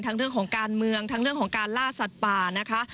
เรื่องของการเมืองทั้งเรื่องของการล่าสัตว์ป่านะคะ